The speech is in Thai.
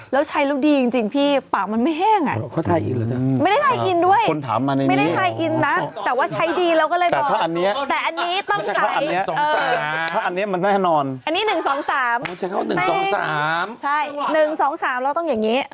แล้วใช้แล้วดีจริงพี่ปากมันไม่แห้ง